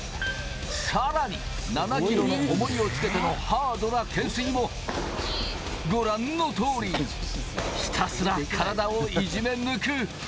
さらに７ｋｇの重りをつけてのハードな懸垂も、ご覧の通り、ひたすら体をいじめ抜く。